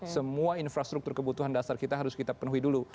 semua infrastruktur kebutuhan dasar kita harus kita penuhi dulu